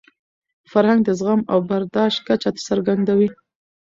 فرهنګ د زغم او برداشت کچه څرګندوي.